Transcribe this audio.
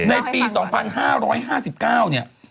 ในปี๒๕๕๙เนี่ย